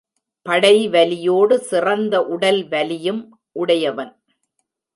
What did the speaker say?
படைவலியோடு, சிறந்த உடல் வலியும் உடையவன்.